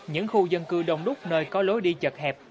những khu dân cư đông đúc nơi có lối đi chật hẹp